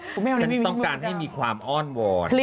ฉันต้องการให้มีความอ้อนวอน